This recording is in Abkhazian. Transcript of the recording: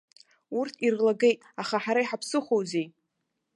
Урҭ ирлагеит, аха ҳара иҳаԥсыхәоузеи?